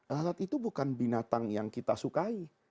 lalat itu bukan binatang yang kita sukai